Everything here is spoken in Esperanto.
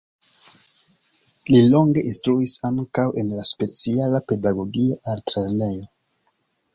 Li longe instruis ankaŭ en la speciala pedagogia altlernejo.